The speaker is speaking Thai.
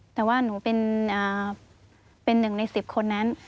แต่ว่าหนูเป็นหนึ่งใน๑๐คนนั้น